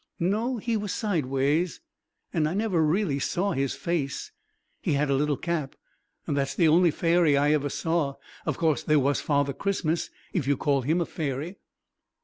"No, he was sideways, and I never really saw his face. He had a little cap. That's the only fairy I ever saw. Of course, there was Father Christmas, if you call him a fairy."